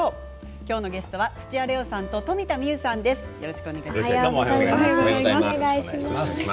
今日のゲストは土屋礼央さんと富田望生さんです。